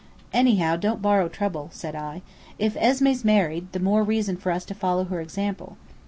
"Anyhow, don't borrow trouble," said I. "If Esmé's married the more reason for us to follow her example.